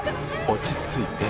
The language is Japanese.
落ち着いて。